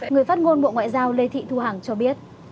người phát ngôn bộ ngoại giao lê thị thu hằng cho biết